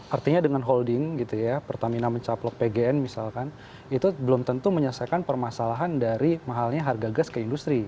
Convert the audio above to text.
artinya dengan holding gitu ya pertamina mencaplok pgn misalkan itu belum tentu menyelesaikan permasalahan dari mahalnya harga gas ke industri